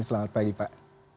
selamat pagi pak